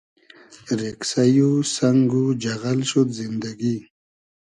رېگسݷ و سئنگ و جئغئل شود زیندئگی